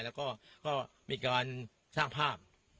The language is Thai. แล้วก็มีการสร้างภาพ